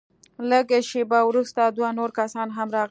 لږه شېبه وروسته دوه نور کسان هم راغلل.